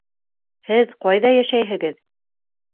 Һеҙ ҡайҙа йәшәйһегеҙ?